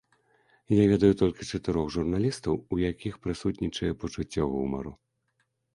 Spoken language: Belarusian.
А я ведаю толькі чатырох журналістаў, у якіх прысутнічае пачуццё гумару.